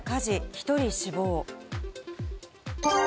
１人死亡。